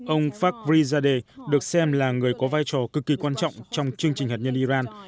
ông farizadeh được xem là người có vai trò cực kỳ quan trọng trong chương trình hạt nhân iran